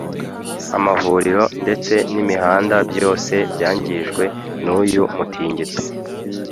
amavuriro ndetse n’imihanda byose byangijwe n’uyu mutingito